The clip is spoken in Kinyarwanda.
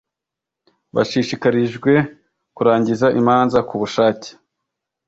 bashishikarijwe kurangiza imanza ku bushake